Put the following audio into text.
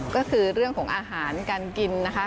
ก็คือเรื่องของอาหารการกินนะคะ